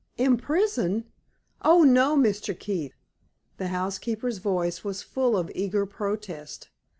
"Imprison? Oh, no, Mr. Keith!" The housekeeper's voice was full of eager protest.